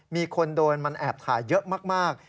มีคนโดนมันแอบถ่ายเยอะมาก